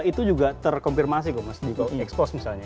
itu juga terkompirmasi kok mas di explos misalnya